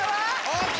ＯＫ！